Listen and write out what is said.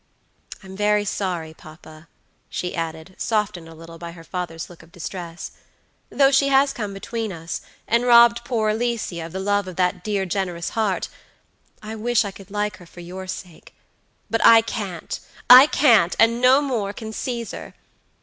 I'm very sorry, papa," she added, softened a little by her father's look of distress; "though she has come between us, and robbed poor Alicia of the love of that dear, generous heart, I wish I could like her for your sake; but I can't, I can't, and no more can Caesar.